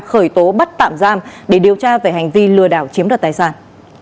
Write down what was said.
khởi tố bắt tạm giam để điều tra về hành vi lừa đảo chiếm đoạt tài sản